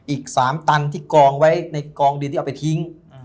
อีก๓ตันที่กองไว้ในกองดินที่เอาไปทิ้ง